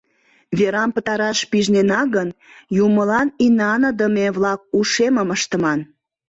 Верам пытараш пижнена гын, юмылан инаныдыме-влак ушемым ыштыман.